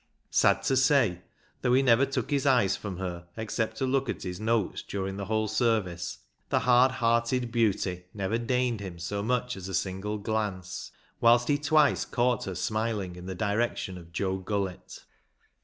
Sad to say, though he never took his eyes from her except to look at his notes during the whole service, the hard hearted beauty never deigned him so much as a single glance, whilst he twice caught her smiling in the direction of Joe Gullett.